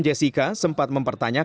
dilanjutkan dengan satu paper bag lagi